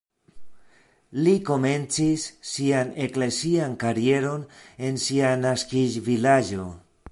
Li komencis sian eklezian karieron en sia naskiĝvilaĝo.